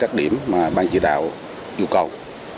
các địa điểm mà ban chỉ đạo yêu cầu